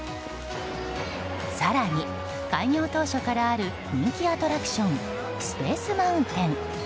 更に、開業当初からある人気アトラクションスペース・マウンテン。